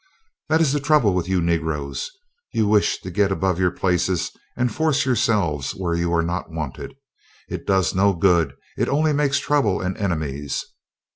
"That is the trouble with you Negroes: you wish to get above your places and force yourselves where you are not wanted. It does no good, it only makes trouble and enemies."